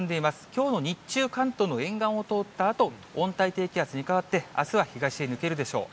きょうの日中、関東の沿岸を通ったあと、温帯低気圧に変わって、あすは東へ抜けるでしょう。